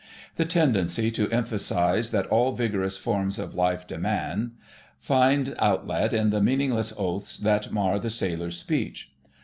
The tendency to emphasis that all vigorous forms of life demand, finds outlet in the meaningless oaths that mar the sailor's speech.